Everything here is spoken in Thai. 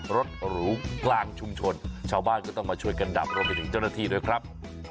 รถหรูกลางชุมชนชาวบ้านก็ต้องมาช่วยกันดับรวมไปถึงเจ้าหน้าที่ด้วยครับ